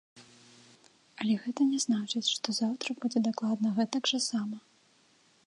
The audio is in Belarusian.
Але гэта не значыць, што заўтра будзе дакладна гэтак жа сама.